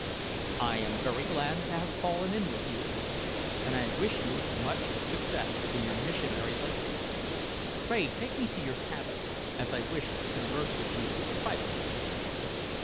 "I am very glad to have fallen in with you," said he, "and I wish you much success in your missionary labours. Pray take me to your cabin, as I wish to converse with you privately."